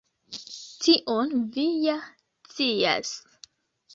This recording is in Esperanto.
Tion vi ja scias.